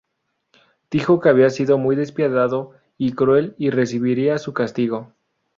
Dijo que había sido muy despiadado y cruel y recibiría su castigo.